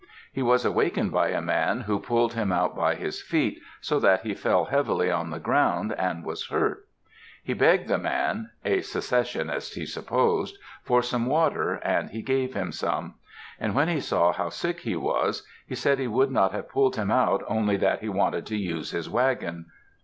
He was awakened by a man who pulled him out by his feet, so that he fell heavily on the ground and was hurt. He begged the man—a Secessionist, he supposed—for some water, and he gave him some; and when he saw how sick he was, he said he would not have pulled him out only that he wanted to use his wagon.